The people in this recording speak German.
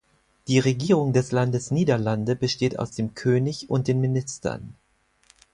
Die Regierung des Landes Niederlande besteht aus dem König und den Ministern.